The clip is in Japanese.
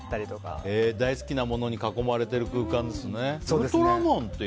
大好きなものに囲まれている空間ですね。